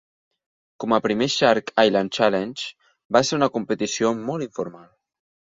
Com a primer Shark Island Challenge, va ser una competició molt informal.